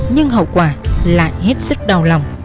nhưng hậu quả lại hết sức đau lòng